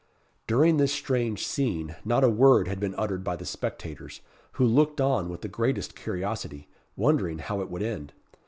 During this strange scene, not a word had been uttered by the spectators, who looked on with the greatest curiosity, wondering how it would end.